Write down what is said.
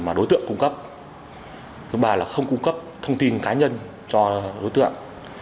cái thứ ba là không cung cấp thông tin cá nhân cho đối tượng